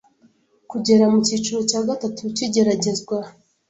Kugera mu cyiciro cya gatatu cy'igeragezwa